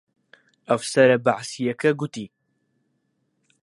ئەفسەرە بەعسییەکە گوتی: